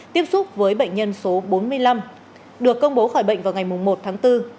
tiếp xúc với bệnh nhân số bốn mươi năm được công bố khỏi bệnh vào ngày một tháng bốn